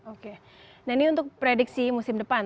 oke nah ini untuk prediksi musim depan